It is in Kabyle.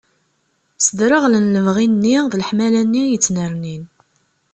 Sdereɣlen lebɣi-nni d leḥmala-nni i yettnernin.